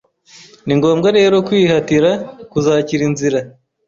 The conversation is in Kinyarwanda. Ni ngombwa rero kwihatira kuzakira inzira